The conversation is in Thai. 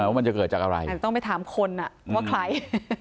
เออว่ามันจะเกิดจากอะไรอ่าต้องไปถามคนอ่ะอืมว่าใคร